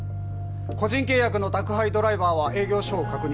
個人契約の宅配ドライバーは営業所を確認